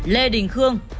lê đình khương